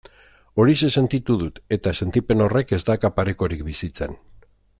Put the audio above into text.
Horixe sentitu dut, eta sentipen horrek ez dauka parekorik bizitzan.